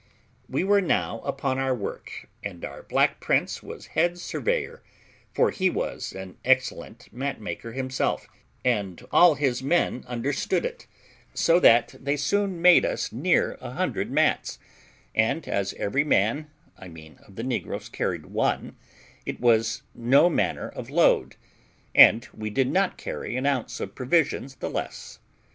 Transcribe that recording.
We were now upon our work, and our black prince was head surveyor, for he was an excellent mat maker himself, and all his men understood it, so that they soon made us near a hundred mats; and as every man, I mean of the negroes, carried one, it was no manner of load, and we did not carry an ounce of provisions the less.